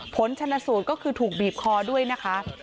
ผลชนสูตรก็คือถูกบีบคอด้วยนะคะ